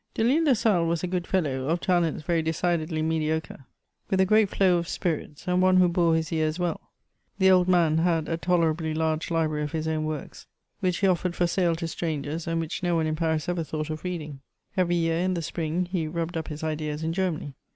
Delisle de Sales was a good fellow, of talents very decidedly mediocre, with a great flow of spirits, and one who bore his years well ; the old man had a tolerably large library of his own works, which he offered for sale to strangers, and which no one in Paris ever thought of reading. Every year, in the spring, he rubbed up his ideas in Germany.